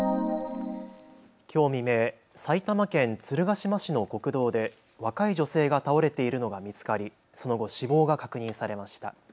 きょう未明、埼玉県鶴ヶ島市の国道で若い女性が倒れているのが見つかりその後、死亡が確認されました。